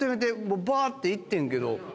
ばーっていってんけど。